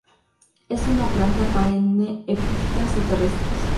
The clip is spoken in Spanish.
Es una planta perenne, epífitas o terrestres.